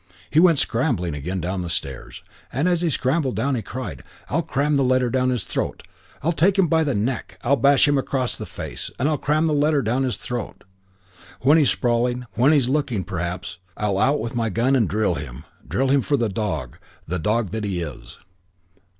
He went scrambling again down the stairs, and as he scrambled down he cried, "I'll cram the letter down his throat. I'll take him by the neck. I'll bash him across the face. And I'll cram the letter down his throat. When he's sprawling, when he's looking, perhaps I'll out with my gun and drill him, drill him for the dog, the dog that he is."